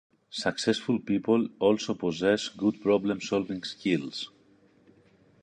Successful people also possess good problem-solving skills.